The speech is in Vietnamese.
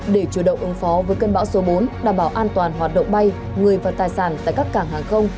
để chủ động ứng phó với cơn bão số bốn đảm bảo an toàn hoạt động bay người và tài sản tại các cảng hàng không